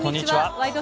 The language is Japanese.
「ワイド！